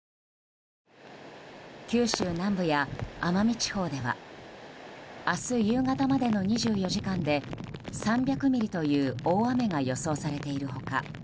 九州南部や奄美地方では明日夕方までの２４時間で３００ミリという大雨が予想されている他